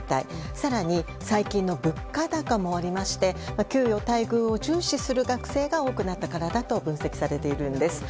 更に、最近の物価高もありまして給与・待遇を重視する学生が多くなったからだと分析されているんです。